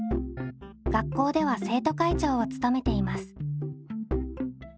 学校では生徒会長を務めています。